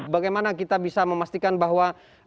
bagaimana kita bisa memastikan bahwa